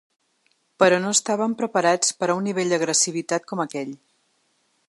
Però no estàvem preparats per a un nivell d’agressivitat com aquell.